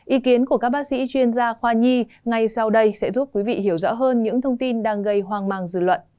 ý kiến của các bác sĩ chuyên gia khoa nhi ngay sau đây sẽ giúp quý vị hiểu rõ hơn những thông tin đang gây hoang mang dư luận